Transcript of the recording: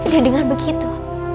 dan dengan begitu